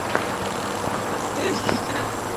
kilichotumika katika ukanda wote wa Ziwa Magharibi Victoria